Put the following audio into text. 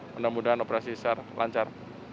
semoga operasi sar lancar